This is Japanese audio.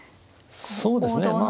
そうですね。